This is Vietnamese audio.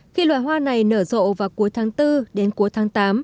khi loài hoa này nở rộ vào cuối tháng bốn đến cuối tháng tám